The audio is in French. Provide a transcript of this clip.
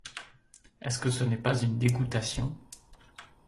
Est-ce que ce n’est pas une dégoûtation?...